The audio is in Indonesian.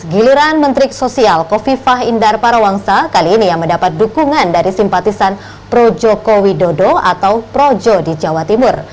giliran menteri sosial kofifah indar parawangsa kali ini yang mendapat dukungan dari simpatisan projoko widodo atau projo di jawa timur